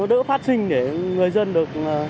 đỡ phát sinh để người dân được